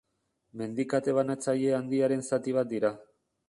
Mendikate Banatzaile Handiaren zati bat dira.